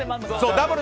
ダブル！